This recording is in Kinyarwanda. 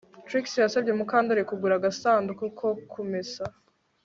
Trix yasabye Mukandoli kugura agasanduku ko kumesa